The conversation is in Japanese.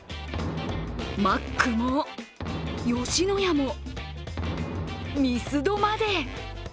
マックも吉野家もミスドまで。